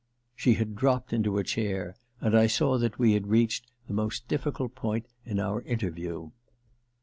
ohe had dropped into a ch^ir, and I saw that 26o THE LETTER ii we had reached the most difficult point in our interview.